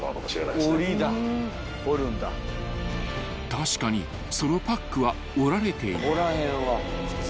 ［確かにそのパックは折られていた］